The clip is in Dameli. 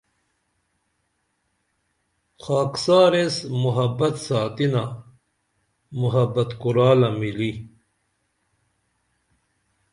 خاکسار ایس محبت ساتِنا محبت کُرالہ مِلی